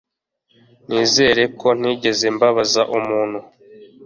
Nizere ko ntigeze mbabaza umuntu